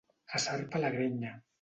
A sarpa la grenya.